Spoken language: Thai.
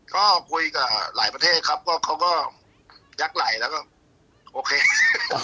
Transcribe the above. ก็คุยกับหลายประเทศครับ